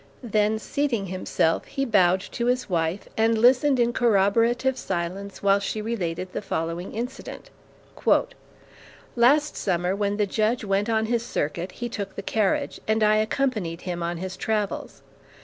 Then seating himself, he bowed to his wife, and listened in corroborative silence while she related the following incident: "Last Summer when the Judge went on his circuit, he took the carriage, and I accompanied him on his travels.